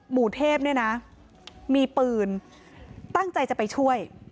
หมู่เทพเนี่ยนะมีปืนตั้งใจจะไปช่วย